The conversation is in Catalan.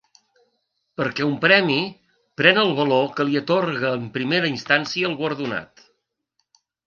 Perquè un premi pren el valor que li atorga en primera instància el guardonat.